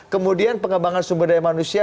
kemudian pengembangan sumber daya manusia